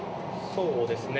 そうですね。